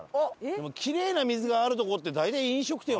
でもキレイな水があるとこって大体飲食店はね。